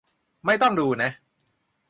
ไม่ต้องดูนะ